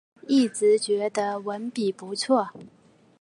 一直觉得文笔不错